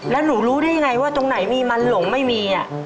แล้วหนูรู้ได้ยังไงว่าตรงไหนมีมันหลงไม่มี